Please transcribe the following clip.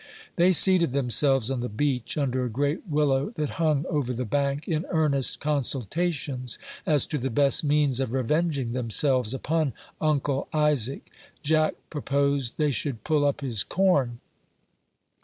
They seated themselves on the beach, under a great willow that hung over the bank, in earnest consultations as to the best means of revenging themselves upon Uncle Isaac. Jack proposed they should pull up his corn.